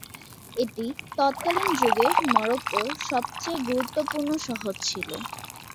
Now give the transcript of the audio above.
এটি তৎকালীন যুগে মরক্কোর সবচেয়ে গুরুত্বপূর্ণ শহর ছিল।